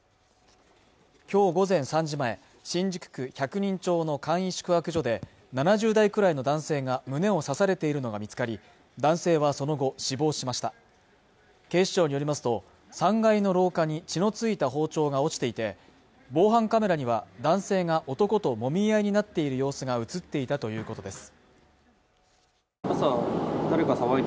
今日午前３時前新宿区百人町の簡易宿泊所で７０代くらいの男性が胸を刺されているのが見つかり男性はその後死亡しました警視庁によりますと３階の廊下に血の付いた包丁が落ちていて防犯カメラには男性が男ともみ合いになっている様子が映っていたということです